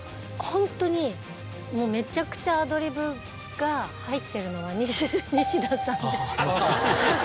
ホントにもうめちゃくちゃアドリブが入ってるのは西田さんです。